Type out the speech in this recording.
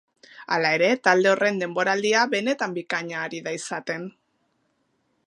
Hala ere, talde horren denboraldia benetan bikaina ari da izaten.